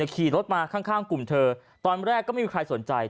ขี่รถมาข้างกลุ่มเธอตอนแรกก็ไม่มีใครสนใจ